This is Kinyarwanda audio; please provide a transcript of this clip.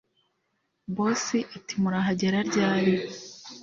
Boss atimurahagera ryari